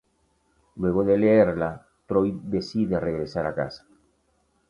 Luego de leerla, Troy decide regresar a casa.